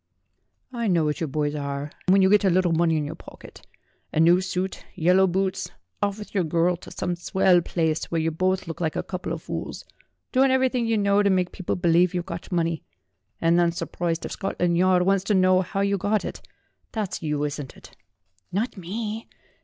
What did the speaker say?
"I know what you boys are, when you get a little money in your pocket. A new suit, yellow boots, off with your girl to some swell place where you both look A DEVIL, A BOY, A DESIGNER 155 like a couple of fools. Doing everything you know to make people believe you've got money, and then sur prised if Scotland Yard wants to know how you got it! That's you, isn't it?" "Not me.